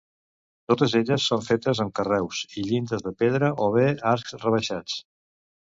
Totes elles són fetes amb carreus i llindes de pedra o bé arcs rebaixats.